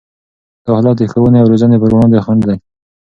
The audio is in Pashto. دا حالت د ښوونې او روزنې پر وړاندې خنډ دی.